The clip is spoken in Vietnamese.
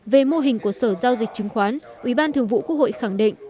về mô hình của sở giao dịch chứng khoán ủy ban thường vụ quốc hội khẳng định